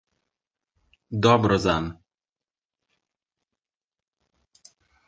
Dobro zanj.